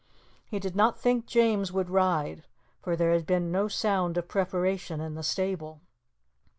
He did not think James would ride, for there had been no sound of preparation in the stable.